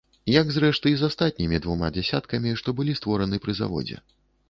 Як, зрэшты, і з астатнімі двума дзясяткамі, што былі створаны пры заводзе.